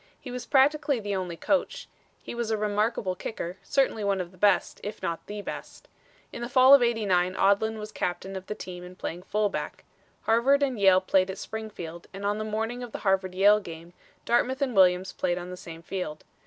He was practically the only coach. He was a remarkable kicker certainly one of the best, if not the best. In the Fall of '89 Odlin was captain of the team and playing fullback. Harvard and Yale played at Springfield and on the morning of the Harvard Yale game Dartmouth and Williams played on the same field.